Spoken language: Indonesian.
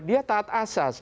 dia taat asas